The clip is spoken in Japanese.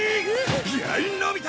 やいのび太！